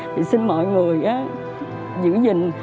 thì xin mọi người giữ gìn